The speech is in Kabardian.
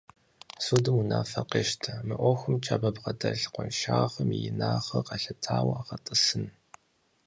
Судым унафэ къещтэ: мы ӀуэхумкӀэ абы бгъэдэлъ къуаншагъэм и инагъыр къэлъытауэ гъэтӀысын!